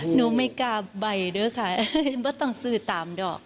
หนูไม่กล้าใบด้วยค่ะว่าต้องซื้อตามดอก